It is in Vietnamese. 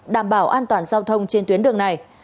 đảm bảo an toàn giao thông trên tuyến đường này